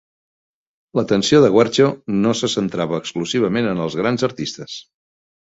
L'atenció de Guercio no se centrava exclusivament en els grans artistes.